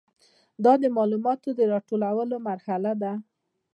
دا د معلوماتو د راټولولو مرحله ده.